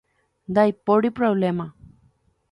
Ndaipóri problema.